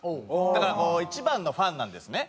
だから一番のファンなんですね。